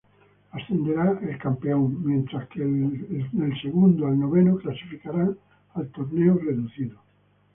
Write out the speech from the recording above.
Ascenderá el campeón, mientras que del segundo al noveno clasificarán al torneo reducido.